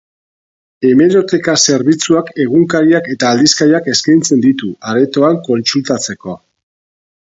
Hemeroteka zerbitzuak egunkariak eta aldizkariak eskaintzen ditu, aretoan kontsultatzeko.